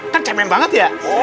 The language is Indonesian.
kan camen banget ya